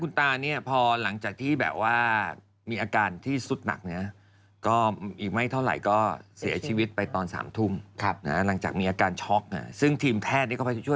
ดนอย่างเอ่อโดนไอ้จอร์ดก็แบบว่าใช้กระทืบก่อนแบบแม่จริงแล้วจอร์ดเตะหน้าอกเลยฮะ